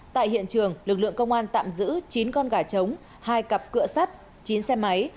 tại hiện trường lực lượng công an tạm giữ chín con gà trống hai cặp cửa sắt chín xe máy